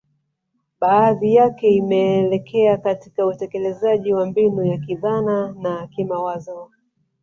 Baadhi yake imeelekea katika utekelezaji wa mbinu ya kidhana na kimawazo